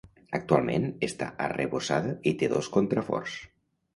Actualment està arrebossada i té dos contraforts.